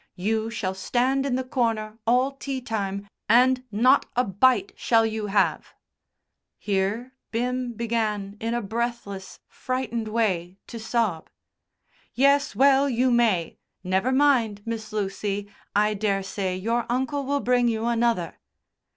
You shall stand in the corner all tea time, and not a bite shall you have." Here Bim began, in a breathless, frightened way, to sob. "Yes, well you may. Never mind, Miss Lucy, I dare say your uncle will bring you another."